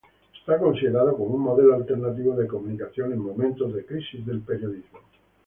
Es considerado como un modelo alternativo de comunicación en momentos de crisis del periodismo.